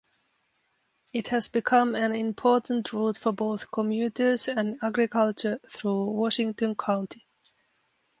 It has become an important route for both commuters and agriculture through Washington County.